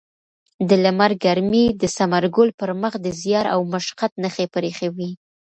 د لمر ګرمۍ د ثمرګل پر مخ د زیار او مشقت نښې پرېښې وې.